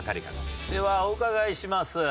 ではお伺いします。